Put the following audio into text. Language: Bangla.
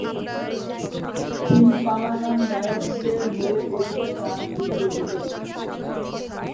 তিনি পালা গান গায়কদের হয়ে গোপনে গান লিখে দিতেন।